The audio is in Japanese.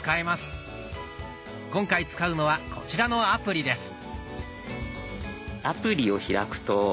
今回使うのはこちらのアプリです。